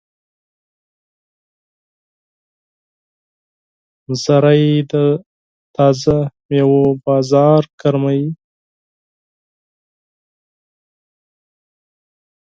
زمری د تازه میوو بازار ګرموي.